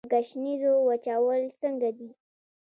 د ګشنیزو وچول څنګه دي؟